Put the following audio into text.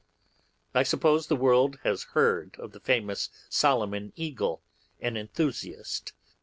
I suppose the world has heard of the famous Solomon Eagle, an enthusiast.